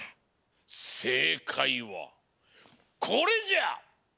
せいかいはこれじゃ！